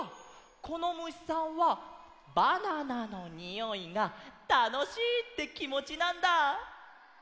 このむしさんは「バナナのにおい」が「たのしい」ってきもちなんだ！